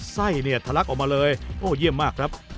ไส้ทะลักออกมาเลยเยี่ยมมากครับ